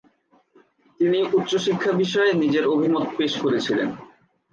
তিনি উচ্চ শিক্ষা বিষয়ে নিজের অভিমত পেশ করেছিলেন।